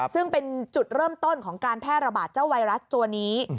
ซึ่งเป็นจุดเริ่มต้นของการแพร่ระบาดเจ้าไวรัสตัวนี้